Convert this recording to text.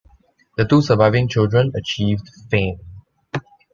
The two surviving children achieved fame.